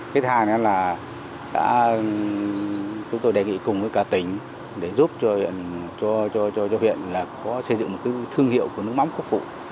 cái thà nữa là đã chúng tôi đề nghị cùng với cả tỉnh để giúp cho huyện là có xây dựng một cái thương hiệu của nước mắm quốc phụ